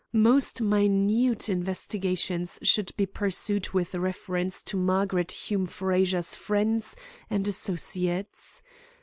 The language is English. "'Most minute investigations should be pursued with reference to Margaret Hume Frazer's friends and associates.